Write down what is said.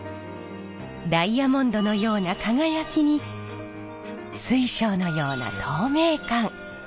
ダイヤモンドのような輝きに水晶のような透明感。